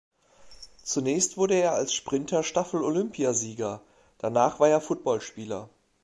Zunächst wurde er als Sprinter Staffel-Olympiasieger, danach war er Footballspieler.